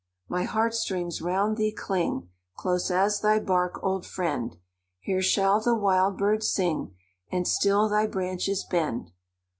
"My heart strings round thee cling, Close as thy bark, old friend! Here shall the wild bird sing, And still thy branches bend.